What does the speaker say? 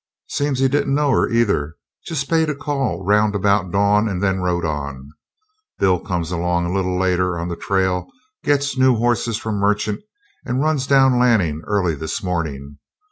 "Seems he didn't know her, either. Just paid a call round about dawn and then rode on. Bill comes along a little later on the trail, gets new horses from Merchant, and runs down Lanning early this morning.